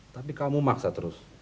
tapi kamu maksa terus